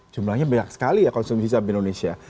jumlahnya banyak sekali ya konsumsi cabai di indonesia